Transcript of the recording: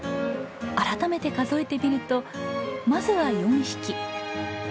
改めて数えてみるとまずは４匹。